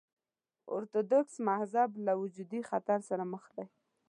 ارتوډوکس مذهب له وجودي خطر سره مخ دی.